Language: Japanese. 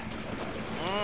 うん。